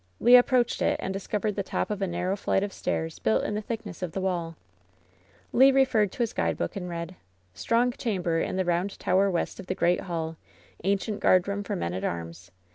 Le approached it, and discovered the top of a narrow flight of stairs built in the thickness of the wall. Le referred to his guidebook, and read : "^Strong chamber in the roimd tower west of the great hall, ancient guardroom for men at arms.